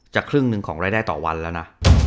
ครึ่งหนึ่งของรายได้ต่อวันแล้วนะ